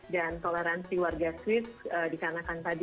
dan toleransi warga swiss dikanakan tadi